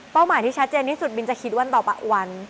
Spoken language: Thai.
หมายที่ชัดเจนที่สุดบินจะคิดวันต่อวัน